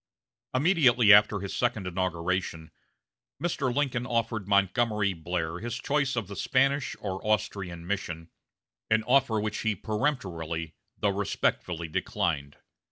Immediately after his second inauguration, Mr. Lincoln offered Montgomery Blair his choice of the Spanish or the Austrian mission, an offer which he peremptorily though respectfully declined.